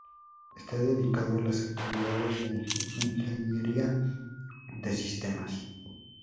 Está dedicado a las actividades de ingeniería de sistemas.